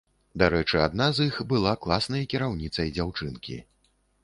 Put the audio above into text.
Дарэчы, адна з іх была класнай кіраўніцай дзяўчынкі.